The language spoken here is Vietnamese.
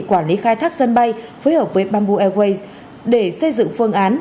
quản lý khai thác sân bay phối hợp với bamboo airways để xây dựng phương án